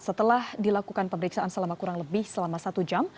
setelah dilakukan pemeriksaan selama kurang lebih selama satu jam